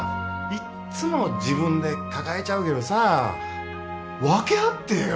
いっつも自分で抱えちゃうけどさ分け合ってよ